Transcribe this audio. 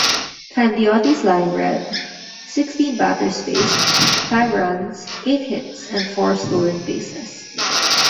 Candiotti's line read: sixteen batters faced, five runs, eight hits, and four stolen bases.